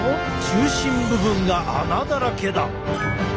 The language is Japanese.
中心部分が穴だらけだ！